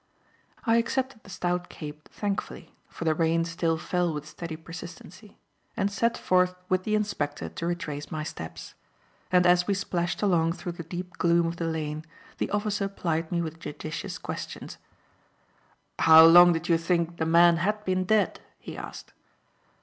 I accepted the stout cape thankfully, for the rain still fell with steady persistency, and set forth with the inspector to retrace my steps. And as we splashed along through the deep gloom of the lane, the officer plied me with judicious questions. "How long did you think the man had been dead?" he asked.